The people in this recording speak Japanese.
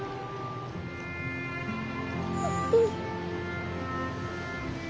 うん。